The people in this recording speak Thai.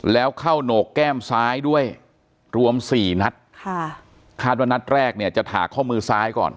แล้วเข้าโหนกแก้มซ้ายด้วยรวมสี่นัดค่ะคาดว่านัดแรกเนี่ยจะถากข้อมือซ้ายก่อน